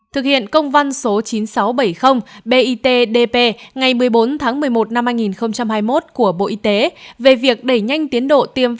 thực hiện công văn số chín nghìn sáu trăm bảy mươi bitdp ngày một mươi bốn tháng một mươi một năm hai nghìn hai mươi một